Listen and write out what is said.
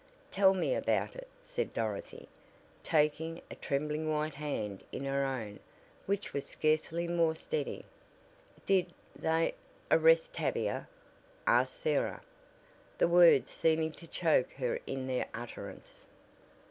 "Tell me about it," said Dorothy, taking a trembling white hand in her own, which was scarcely more steady. "Did they arrest Tavia?" asked Sarah, the words seeming to choke her in their utterance.